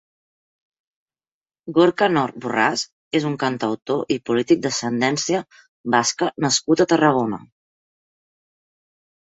Gorka Knörr Borràs és un cantautor i polític d'ascendència basca nascut a Tarragona.